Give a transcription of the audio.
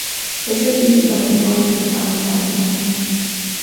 د ژبي بډایوالي لپاره مطالعه مهمه ده.